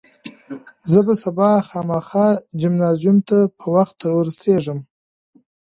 زه به سبا خامخا جمنازیوم ته په وخت ورسېږم.